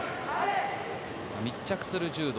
密着する柔道。